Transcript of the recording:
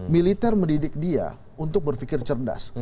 militer mendidik dia untuk berpikir cerdas